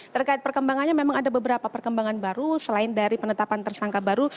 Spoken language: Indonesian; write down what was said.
terkait perkembangannya memang ada beberapa perkembangan baru selain dari penetapan tersangka baru